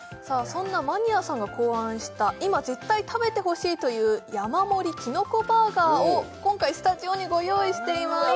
そんなマニアさんが考案した今絶対食べてほしいという山盛りきのこバーガーを今回スタジオにご用意しています